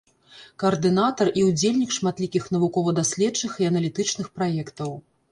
Каардынатар і ўдзельнік шматлікіх навукова-даследчых і аналітычных праектаў.